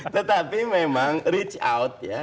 tetapi memang reach out ya